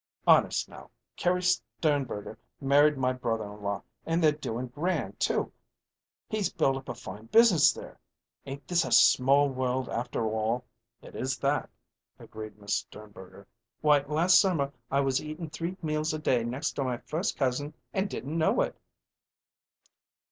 "Honest, now! Carrie Sternberger married my brother in law; and they're doin' grand, too! He's built up a fine business there. Ain't this a small woild after all!" "It is that," agreed Miss Sternberger. "Why, last summer I was eatin' three meals a day next to my first cousin and didn't know it."